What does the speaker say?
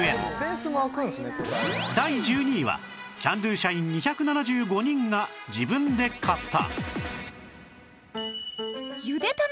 第１２位はキャンドゥ社員２７５人が自分で買った